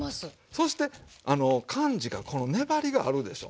そして感じがこの粘りがあるでしょ。